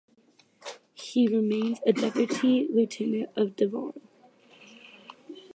He remains a Deputy Lieutenant of Devon.